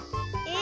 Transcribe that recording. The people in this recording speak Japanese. え？